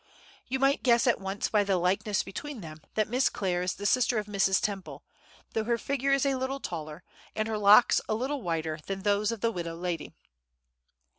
You might guess at once by the likeness between them that Miss Clare is the sister of Mrs. Temple, though her figure is a little taller, and her locks a little whiter than those of the widow lady.